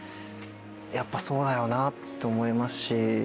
やっぱそうだよなって思いますし。